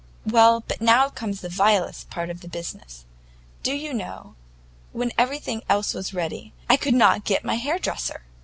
"Well, but now comes the vilest part of the business; do you know, when everything else was ready, I could not get my hair dresser!